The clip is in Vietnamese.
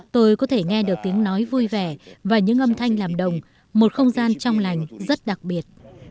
tôi có thể nghe được tiếng nói vui vẻ và những âm thanh làm đồng một không gian trong lành rất đặc biệt